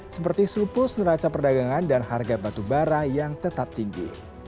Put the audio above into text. seperti selupus neraca perdagangan dan harga batu bara yang tetap tinggi